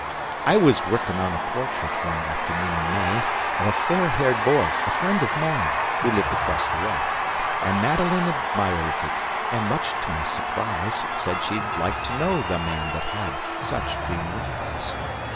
"I was working on a portrait, one afternoon in May, Of a fair haired boy, a friend of mine, who lived across the way. And Madeline admired it, and much to my surprise, Said she'd like to know the man that had such dreamy eyes.